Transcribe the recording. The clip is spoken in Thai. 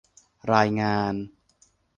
รายงาน